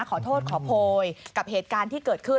ขอโทษขอโพยกับเหตุการณ์ที่เกิดขึ้น